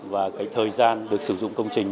và cái thời gian được sử dụng công trình